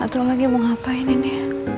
gak tau lagi mau ngapain ini